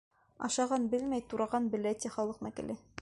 Ашаған белмәй, тураған белә, ти халыҡ мәҡәле.